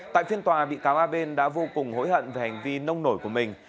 tại phiên tòa bị cáo a bên đã vô cùng hối hận về hành vi nông nổi của mình